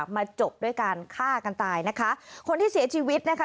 มาจบด้วยการฆ่ากันตายนะคะคนที่เสียชีวิตนะคะ